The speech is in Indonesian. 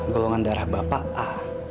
golongan darah bapak a